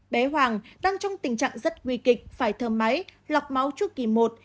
bé hoàng đang trong tình trạng rất nguy kịch phải thở máy lọc máu trước kỳ một